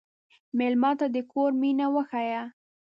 مېلمه ته د کور مینه وښیه.